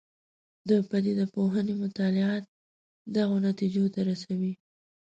د پدیده پوهنې مطالعات دغو نتیجو ته رسوي.